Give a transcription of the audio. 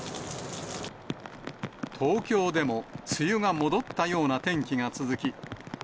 東京でも梅雨が戻ったような天気